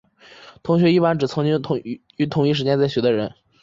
同学一般指曾经于同一时间在学的人。